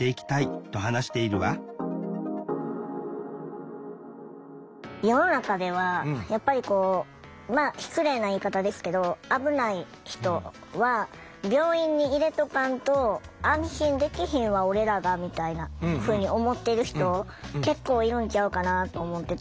と話しているわ世の中ではやっぱりこう失礼な言い方ですけど「危ない人は病院に入れとかんと安心できひんわ俺らが」みたいなふうに思ってる人結構いるんちゃうかなあと思ってて。